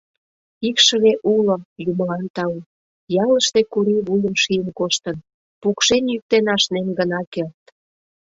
— Икшыве уло — юмылан тау, — ялыште Курий вуйым шийын коштын, — пукшен-йӱктен ашнен гына керт...